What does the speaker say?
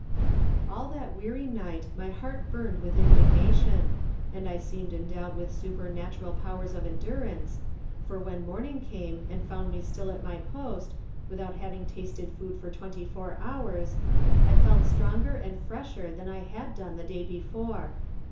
All that weary night my heart burned with indignation, and I seemed endowed with supernatural powers of endurance, for when morning came and found me still at my post, without having tasted food for twenty four hours, I felt stronger and fresher than I had done the day before.